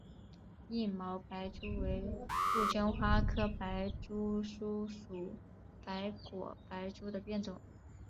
硬毛白珠为杜鹃花科白珠树属白果白珠的变种。